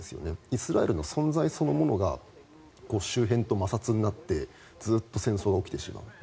イスラエルの存在そのものが周辺と摩擦になってずっと戦争が起きてしまう。